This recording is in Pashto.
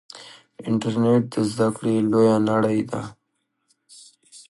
انټرنیټ د زده کړې لویه نړۍ ده.